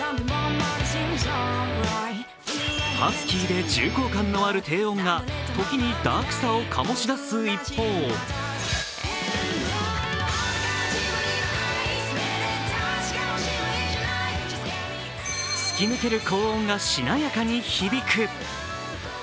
ハスキーで重厚感のある低音が時にダークさを醸し出す一方、突き抜ける高音がしなやかに響く。